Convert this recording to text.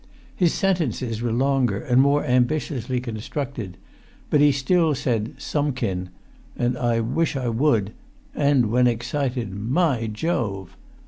His sentences were longer and more ambitiously constructed; but he still said "somekin" and "I wish I would," and, when excited, "my Jove!"